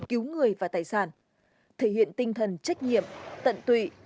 cứu người và tài sản thể hiện tinh thần trách nhiệm tận tụy